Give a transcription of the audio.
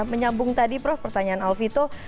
menyambung tadi prof pertanyaan alvito